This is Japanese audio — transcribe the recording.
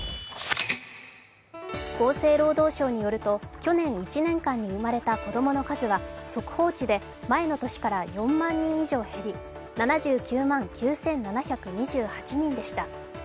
厚生労働省によると去年１年間に生まれた子供の数は速報値で前の年から４万人以上減り７９万９７２８人でした。